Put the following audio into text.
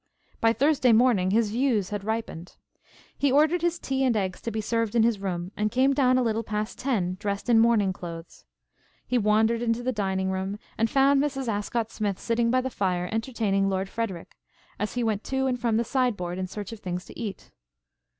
By Thursday morning his views had ripened. He ordered his tea and eggs to be served in his room and came down a little past ten dressed in morning clothes. He wandered into the dining room and found Mrs. Ascott Smith sitting by the fire entertaining Lord Frederic, as he went to and from the sideboard in search of things to eat.